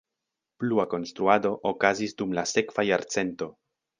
Plua konstruado okazis dum la sekva jarcento.